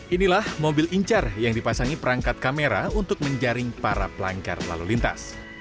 inilah mobil incar yang dipasangi perangkat kamera untuk menjaring para pelanggar lalu lintas